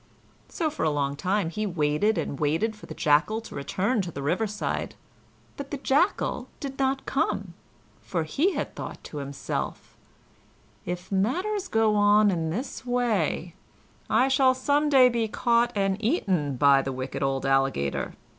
So for a long time he waited and waited for the Jackal to return to the riverside; but the Jackal did not come, for he had thought to himself: "If matters go on in this way, I shall some day be caught and eaten by the wicked old Alligator.